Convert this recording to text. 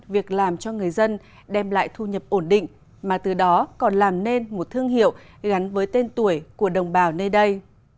việc làm cho người dân đem lại thu nhập ổn định mà từ đó còn làm nên một thương hiệu gắn với tên tuổi của đồng bào nơi đây